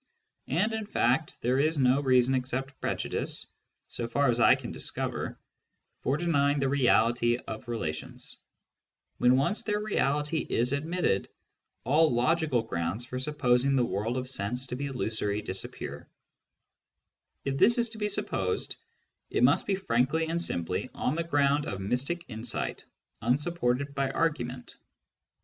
And in fact there is no reason ' except prejudice, so far as I can discover, for denying the reality of relations. When once their reality is admitted, 4 Digitized by I r Google 50 SCIENTIFIC METHOD IN PHILOSOPHY >all logical grounds for supposing the world of sense to be /illusory disappear. If this is to be supposed, it must be frankly and simply on the ground of mystic insight unsupported by argument.